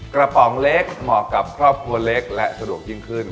ป๋องเล็กเหมาะกับครอบครัวเล็กและสะดวกยิ่งขึ้น